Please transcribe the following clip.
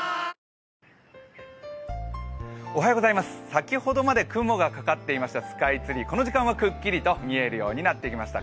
先ほどまで雲がかかっていましたスカイツリー、この時間はくっきりと見えるようになってきました。